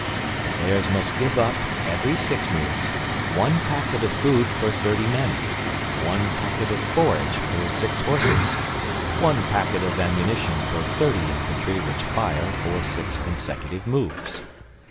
The players must give up, every six moves, one packet of food per thirty men; one packet of forage per six horses; one packet of ammunition per thirty infantry which fire for six consecutive moves.